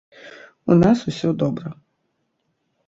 У нас усё добра.